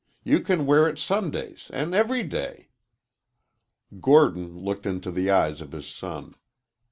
"You can wear it Sundays an' every day." Gordon looked into the eyes of his son.